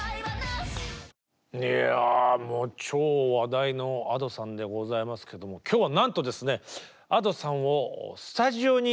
いやもう超話題のＡｄｏさんでございますけども今日はなんとですねＡｄｏさんをスタジオにお呼びしております。